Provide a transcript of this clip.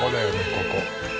ここ。